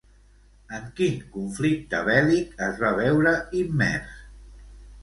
En quin conflicte bèl·lic es va veure immers?